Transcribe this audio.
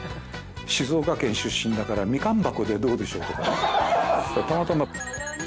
静岡県出身だから「みかん箱」でどうでしょうとかね。